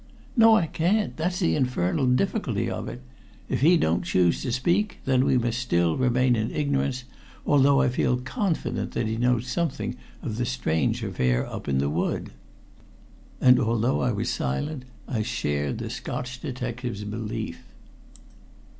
"No, I can't. That's the infernal difficulty of it. If he don't choose to speak, then we must still remain in ignorance, although I feel confident that he knows something of the strange affair up in the wood." And although I was silent, I shared the Scotch detective's belief.